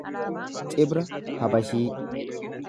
Cibra habashii